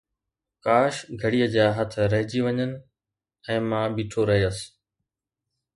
ڪاش گھڙيءَ جا هٿ رهجي وڃن ۽ مان بيٺو رهيس